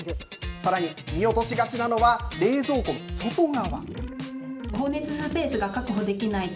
さらに見落としがちなのは、冷蔵庫の外側。